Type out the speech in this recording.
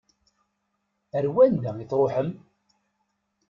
Ar wanda i tṛuḥem?